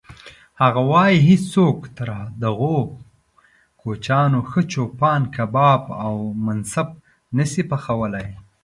هغه وایي: هیڅوک تر دغو کوچیانو ښه چوپان کباب او منسف نه شي پخولی.